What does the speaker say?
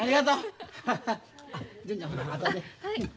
はい。